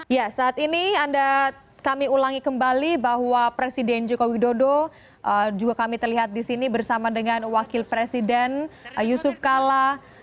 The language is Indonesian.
ya saat ini kami ulangi kembali bahwa presiden joko widodo juga kami terlihat di sini bersama dengan wakil presiden yusuf kala